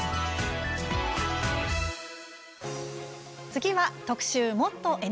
次は、特集「もっとＮＨＫ」。